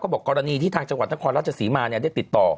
บอกกรณีที่ทางจังหวัดนครราชศรีมาได้ติดต่อ